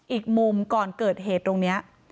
อีกมุมก่อนเกิดเหตุตรงนี้